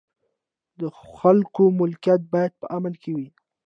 د خلکو ملکیت هم باید په امن کې وي.